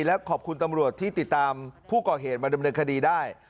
และขอบคุณตำรวจที่ติดตามผู้ก่อเหตุมาดำเนินคดีได้